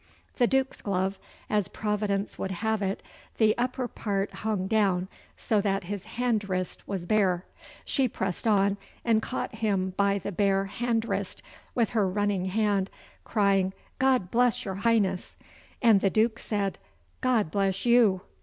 The Duke's glove, as Providence would have it, the upper part hung down, so that his hand wrist was bare. She pressed on, and caught him by the bare hand wrist with her running hand, crying, "God bless your highness!" and the Duke said "God bless you!"